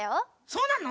そうなの？